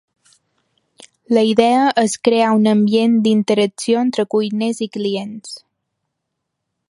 La idea és crear un ambient d’interacció entre cuiners i clients.